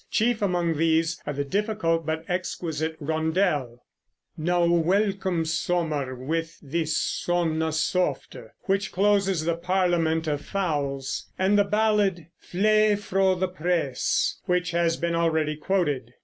Chief among these are the difficult but exquisite rondel, "Now welcom Somer with thy sonne softe," which closes the "Parliament of Fowls," and the ballad, "Flee fro the prees," which has been already quoted.